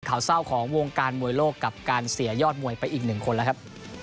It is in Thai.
ข่าวเศร้าของวงการมวยโลกกับการเสียยอดมวยไปอีกหนึ่งคนแล้วครับ